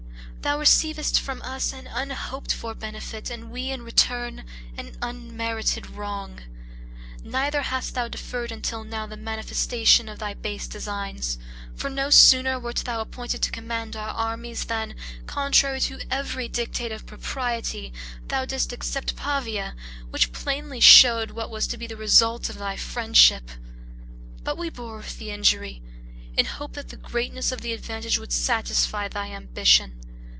Thou receivedst from us an unhoped for benefit, and we, in return, an unmerited wrong. Neither hast thou deferred until now the manifestation of thy base designs; for no sooner wert thou appointed to command our armies, than, contrary to every dictate of propriety, thou didst accept Pavia, which plainly showed what was to be the result of thy friendship; but we bore with the injury, in hope that the greatness of the advantage would satisfy thy ambition.